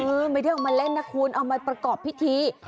เออไม่ได้เล่นน่ะคุณเอามาประกอบพิธี